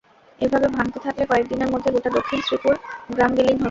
এভাবে ভাঙতে থাকলে কয়েক দিনের মধ্যে গোটা দক্ষিণ শ্রীপুর গ্রাম বিলীন হবে।